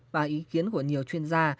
và ý kiến của nhiều chuyên gia